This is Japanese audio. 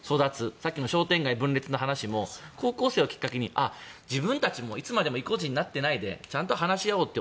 さっきの商店街分裂の話も高校生をきっかけに自分たちもいつまでも意固地になってないでちゃんと話し合おうと。